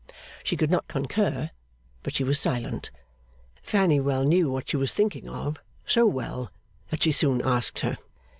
She could not concur, but she was silent. Fanny well knew what she was thinking of; so well, that she soon asked her.